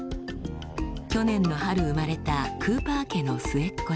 去年の春生まれたクーパー家の末っ子です。